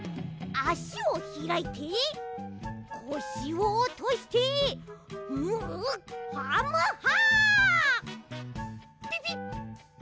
あしをひらいてこしをおとしてムハムハ！